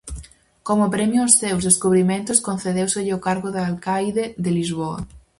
Como premio aos seus descubrimentos concedéuselle o cargo de alcaide de Lisboa.